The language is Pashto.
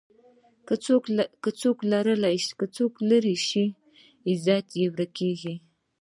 که څوک لرې شي، عزت یې ورک کېږي.